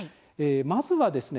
まずはですね